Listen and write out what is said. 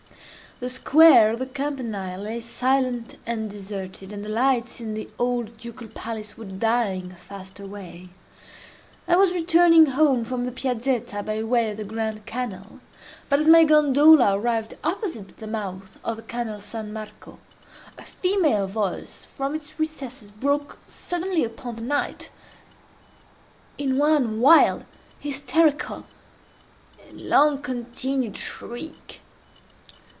The square of the Campanile lay silent and deserted, and the lights in the old Ducal Palace were dying fast away. I was returning home from the Piazetta, by way of the Grand Canal. But as my gondola arrived opposite the mouth of the canal San Marco, a female voice from its recesses broke suddenly upon the night, in one wild, hysterical, and long continued shriek.